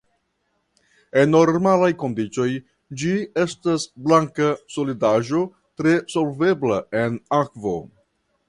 En normalaj kondiĉoj ĝi estas blanka solidaĵo tre solvebla en akvo.